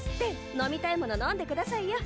飲みたいもの飲んでくださいよ。